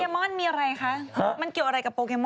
มอนมีอะไรคะมันเกี่ยวอะไรกับโปเกมอ